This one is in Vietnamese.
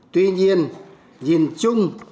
tuy nhiên nhìn chung